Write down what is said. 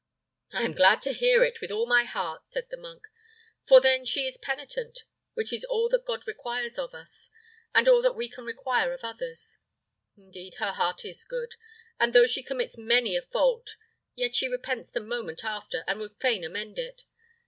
"I am glad to hear it, with all my heart!" said the monk; "for then she is penitent, which is all that God requires of us, and all that we can require of others. Indeed her heart is good; and though she commits many a fault, yet she repents the moment after, and would fain amend it.